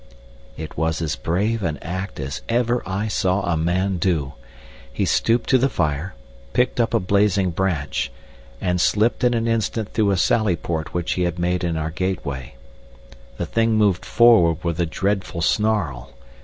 It was as brave an act as ever I saw a man do. He stooped to the fire, picked up a blazing branch, and slipped in an instant through a sallyport which he had made in our gateway. The thing moved forward with a dreadful snarl.